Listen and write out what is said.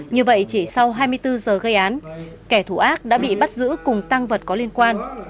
như vậy chỉ sau hai mươi bốn giờ gây án kẻ thù ác đã bị bắt giữ cùng tăng vật có liên quan